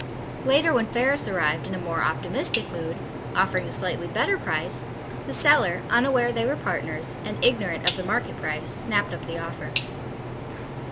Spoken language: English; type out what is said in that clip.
Later when Ferris arrived in a more optimistic mood, offering a slightly better price, the seller, unaware they were partners, and ignorant of the market price, snapped up the offer.